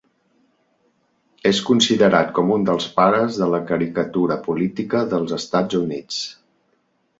És considerat com un dels pares de la caricatura política dels Estats Units.